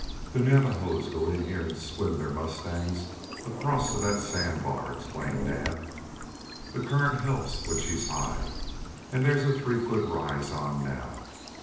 "The Navajos go in here and swim their mustangs across to that sand bar," explained Naab. "The current helps when she's high, and there's a three foot raise on now."